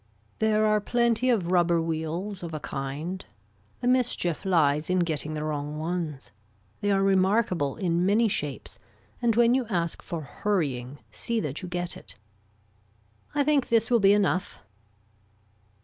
There are plenty of rubber wheels of a kind. The mischief lies in getting the wrong ones. They are remarkable in many shapes and when you ask for hurrying see that you get it. I think this will be enough.